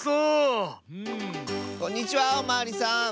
こんにちはおまわりさん。